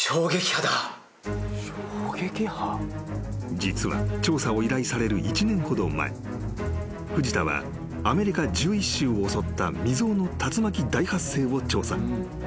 ［実は調査を依頼される１年ほど前藤田はアメリカ１１州を襲った未曽有の竜巻大発生を調査］